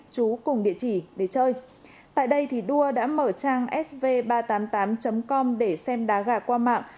chú cùng địa chỉ để chơi tại đây thì đua đã mở trang sv ba trăm tám mươi tám com để xem đá gà qua mạng